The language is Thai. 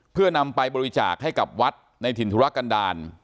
เพื่อนำไปบริจาคให้กับวัดในถิ่นธุรกันดาล